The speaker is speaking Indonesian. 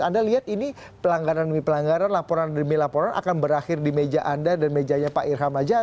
anda lihat ini pelanggaran demi pelanggaran laporan demi laporan akan berakhir di meja anda dan mejanya pak irham aja